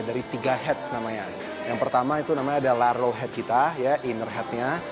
dari tiga heads namanya yang pertama itu namanya ada larlow head kita ya inner headnya